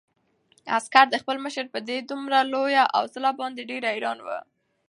عسکر د خپل مشر په دې دومره لویه حوصله باندې ډېر حیران و.